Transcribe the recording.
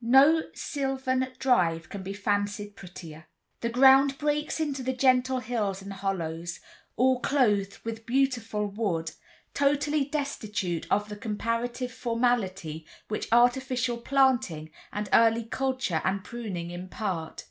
No sylvan drive can be fancied prettier. The ground breaks into gentle hills and hollows, all clothed with beautiful wood, totally destitute of the comparative formality which artificial planting and early culture and pruning impart.